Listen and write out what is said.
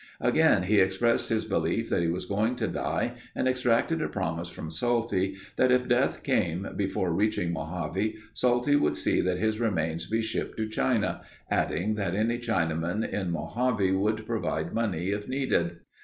Again he expressed his belief that he was going to die and exacted a promise from Salty that if death came before reaching Mojave, Salty would see that his remains be shipped to China, adding that any Chinaman in Mojave would provide money if needed.